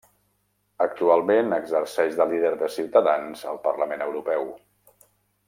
Actualment exerceix de líder de Ciutadans al Parlament Europeu.